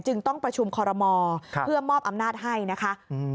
ต้องประชุมคอรมอเพื่อมอบอำนาจให้นะคะ